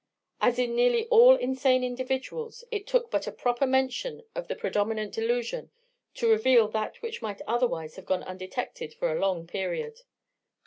As in nearly all insane individuals, it took but a proper mention of the predominant delusion to reveal that which might otherwise have gone undetected for a long period.